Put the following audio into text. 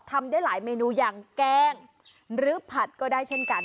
ทำได้หลายเมนูอย่างแกงหรือผัดก็ได้เช่นกัน